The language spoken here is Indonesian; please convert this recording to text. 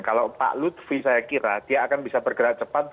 kalau pak lutfi saya kira dia akan bisa bergerak cepat